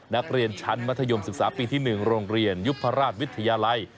นักเรียนชั้นมัธยมศึกษาปีที่๑โรงเรียนยุพราชวิทยาลัย